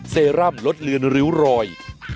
เซรั่มลดเลือนริ้วรอย